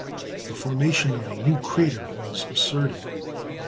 the formation of a new crater was asserted.